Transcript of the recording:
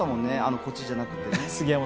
こっちじゃなくて。